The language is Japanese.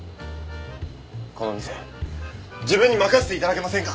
この店自分に任せていただけませんか？